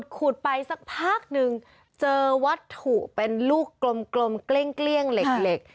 ขุดไปสักพักนึงเจอวัตถุเป็นลูกกลมเกลี้ยงเหล็ก